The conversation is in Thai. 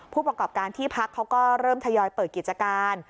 ผู้ประกอบการที่พักเขาก็เริ่มทยอยเปิดกิจการ